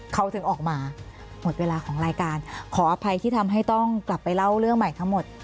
เขาถึงออกมาหมดเวลาของรายการขออภัยที่ทำให้ต้องกลับไปเล่าเรื่องใหม่ทั้งหมด